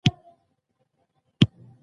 • شتمني د دنیا اړتیا ده، خو هدف نه دی.